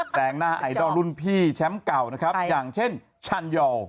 แสงหน้าไอดอลรุ่นพี่แชมป์เก่านะครับอย่างเช่นชันยอ